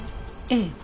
ええ。